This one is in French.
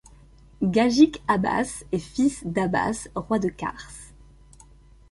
Gagik-Abas est fils d'Abas, roi de Kars.